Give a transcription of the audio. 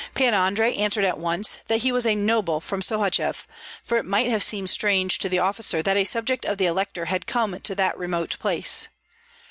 Pan Andrei answered at once that he was a noble from Sohachev, for it might have seemed strange to the officer that a subject of the elector had come to that remote place.